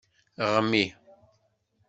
Ɣmi.